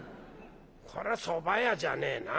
こりゃそば屋じゃねえな。